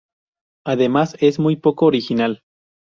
Además es muy poco original".